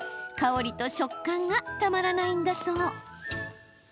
香りと食感がたまらないんだそう。